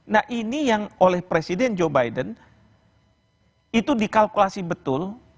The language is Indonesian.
nah ini yang oleh presiden joe biden itu dikalkulasi betul